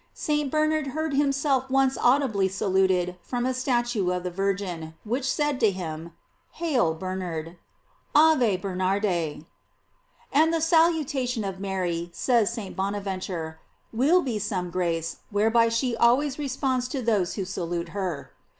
St. Bernard heard him self once audibly saluted from a statue of the Virgin, which said to him, Hail Bernard: "Ave Bernarde." f And the salutation of Mary, says St. Bonaventure, will be some grace, whereby she always responds to those who salute her.